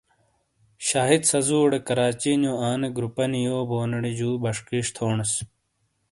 شاہد سّزُووڑے کراچی نیو آنے گروپانی یو بونیڑے جو بشخیش تھونیس۔